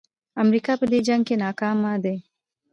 امریکا په دې جنګ کې ناکامه ده.